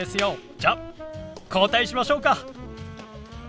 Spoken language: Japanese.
じゃあ交代しましょうか。